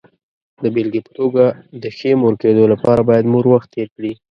د بېلګې په توګه، د ښې مور کېدو لپاره باید مور وخت تېر کړي.